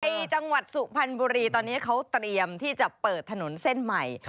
จังหวัดสุพรรณบุรีตอนนี้เขาเตรียมที่จะเปิดถนนเส้นใหม่